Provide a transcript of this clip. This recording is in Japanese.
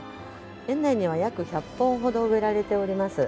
園内には約１００本ほど植えられております。